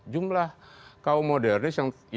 jumlah kaum modernis